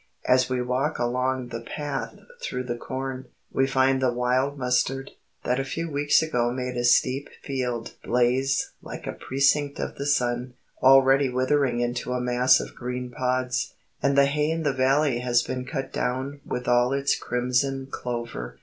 As we walk along the path through the corn, we find the wild mustard, that a few weeks ago made a steep field blaze like a precinct of the sun, already withering into a mass of green pods; and the hay in the valley has been cut down with all its crimson clover.